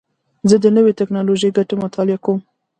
زه د نوې ټکنالوژۍ ګټې مطالعه کوم.